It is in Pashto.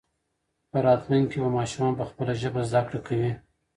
په راتلونکي کې به ماشومان په خپله ژبه زده کړه کوي.